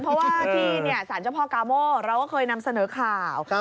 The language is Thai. เพราะว่าที่สารเจ้าพ่อกาโม่เราก็เคยนำเสนอข่าว